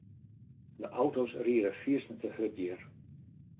De auto's riede fiersten te hurd hjir.